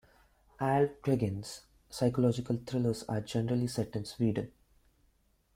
Alvtegen's psychological thrillers are generally set in Sweden.